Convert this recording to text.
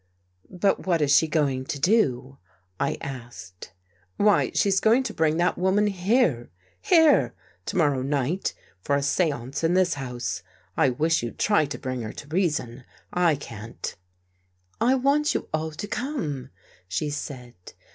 " But what is she going to do? " I asked. " Why, she's going to bring that woman here — here I — To morrow night, for a seance in this house. I wish you'd try to bring her to reason. I can't." " I want you all to come," she said.